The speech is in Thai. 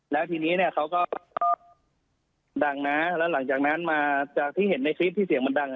แล้วทีนี้เนี่ยเขาก็ดังนะแล้วหลังจากนั้นมาจากที่เห็นในคลิปที่เสียงมันดัง